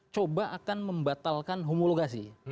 coba akan membatalkan homologasi